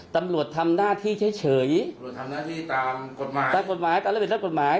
ตำรวจทำหน้าที่เฉยตำรวจทำหน้าที่ตามกฎหมายตามกฎหมายตามระเบียบรัฐกฎหมาย